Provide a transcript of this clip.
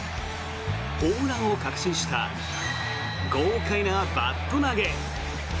ホームランを確信した豪快なバット投げ。